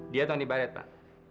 dia tony barret pak